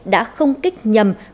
đã không kích nhầm